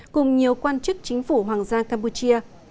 cùng nhiều quan chức chính phủ hoàng gia campuchia